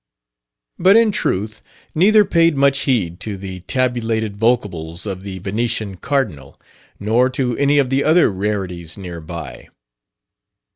But in truth neither paid much heed to the tabulated vocables of the Venetian cardinal nor to any of the other rarities near by.